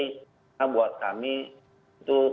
yang buat kami untuk